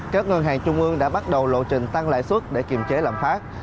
các ngân hàng trung ương đã bắt đầu lộ trình tăng lãi suất để kiềm chế lạm phát